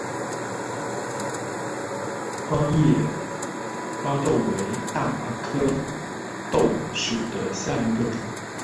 光叶巴豆为大戟科巴豆属下的一个种。